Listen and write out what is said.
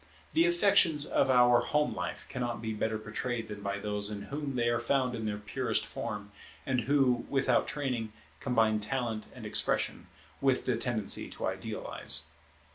The affections of our home life cannot be better portrayed than by those in whom they are found in their purest form, and who, without training, combine talent and expression with the tendency to idealize.